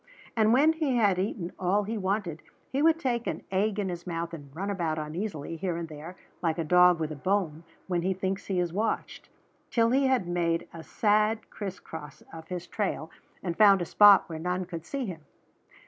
And when he had eaten all he wanted he would take an egg in his mouth and run about uneasily here and there, like a dog with a bone when he thinks he is watched, till he had made a sad crisscross of his trail and found a spot where none could see him.